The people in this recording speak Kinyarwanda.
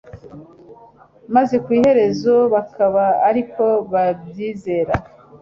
maze ku iherezo bakaba ariko babyizera.